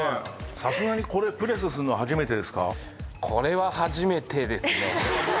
さすがにこれをプレスするのは初これは初めてですね。